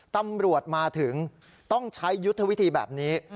ตำรวจมาถึงต้องใช้ยุทธวิธีแบบนี้